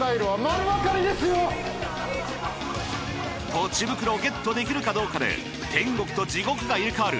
ポチ袋をゲットできるかどうかで天国と地獄が入れ替わる